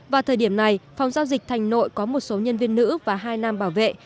vào thời điểm này phòng giao dịch thành nội có một số nhân viên nữ và hai nam bảo vệ